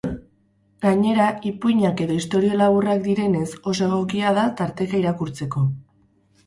Gainera, ipuinak edo istorio laburrak direnez, oso egokia da tarteka irakurtzeko.